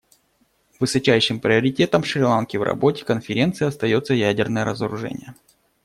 Высочайшим приоритетом Шри-Ланки в работе Конференции остается ядерное разоружение.